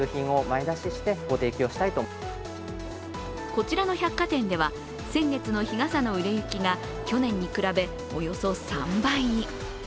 こちらの百貨店では先月の日傘の売れ行きが去年に比べおよそ３倍に。